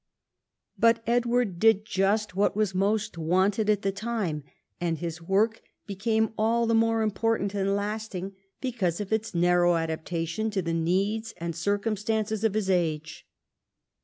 But Edward did just what was most wanted at the time, and his work became all the more important and lasting because of its narrow adaptation to the needs and circumstances of his age.